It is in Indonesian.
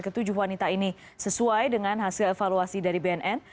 ketujuh wanita ini sesuai dengan hasil evaluasi dari bnn